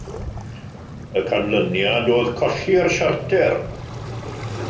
Y canlyniad oedd colli'r siarter.